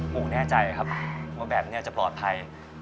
ผมแน่ใจครับว่าแบบนี้จะปลอดภัย